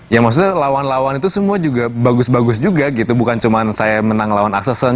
ya maksudnya lawan lawan itu semua juga bagus bagus juga gitu bukan cuma saya menang lawan aksesson